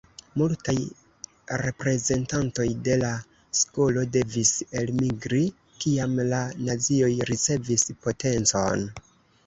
Multaj reprezentantoj de la skolo devis elmigri, kiam la nazioj ricevis potencon.